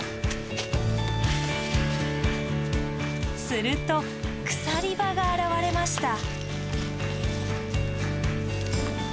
すると鎖場が現れました。